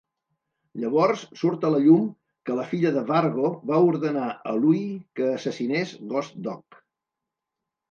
Llavors surt a la llum que la filla de Vargo va ordenar a Louie que assassinés Ghost Dog.